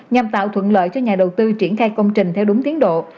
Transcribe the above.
nhằm tạo thuận lợi cho nhà đầu tư triển khai công trình theo đúng tiến độ